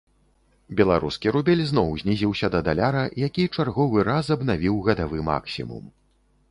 Беларускі рубель зноў знізіўся да даляра, які чарговы раз абнавіў гадавы максімум.